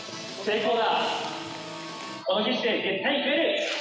成功だ！